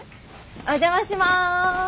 お邪魔します。